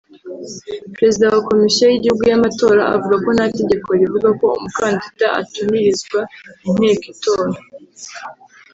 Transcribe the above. Perezida wa Komisiyo y’igihugu y’amatora avuga ko nta tegeko rivuga ko umukandida atumirizwa inteko itora